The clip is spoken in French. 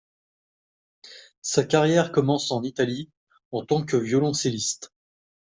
Sa carrière commence en Italie en tant que violoncelliste.